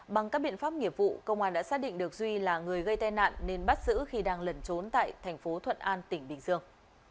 bằng các biện pháp nghiệp vụ công an đã xác định được duy là người gây tai nạn nên bắt giữ khi đang lẩn trốn tại thành phố thuận an tỉnh bình dương